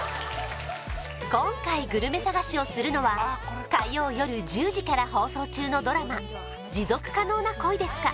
今回グルメ探しをするのは火曜よる１０時から放送中のドラマ「持続可能な恋ですか？